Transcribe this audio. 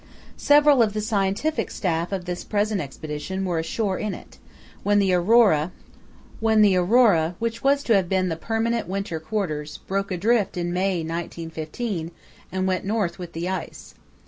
Several of the scientific staff of this present Expedition were ashore in it, when the Aurora, which was to have been the permanent winter quarters, broke adrift in May 1915, and went north with the ice.